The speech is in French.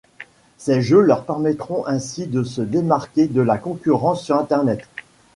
Ces jeux leur permettront ainsi de se démarquer de la concurrence sur Internet.